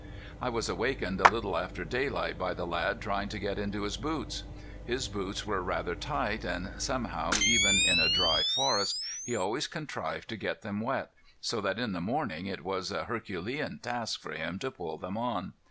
I was awakened a little after daylight by the lad trying to get into his boots. His boots were rather tight, and somehow, even in a dry forest, he always contrived to get them wet, so that in the morning it was a herculean task for him to pull them on.